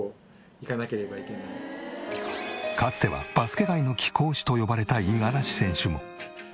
かつては「バスケ界の貴公子」と呼ばれた五十嵐選手も。